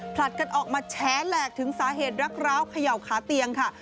ผลัดกันออกมาแฉแหลกถึงสาเหตุรักร้าวเขย่าขาเตียงค่ะ